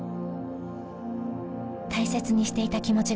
大切にしていた気持ちがありました。